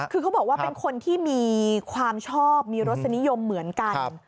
คือเขาบอกว่าเป็นคนที่มีความชอบมีรสนิยมเหมือนกัน